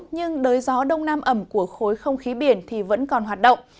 nhưng đới gió đông nam ẩm của khối không khí biển thì vẫn còn hoạt động